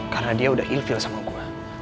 karena dia udah ilfil sama gue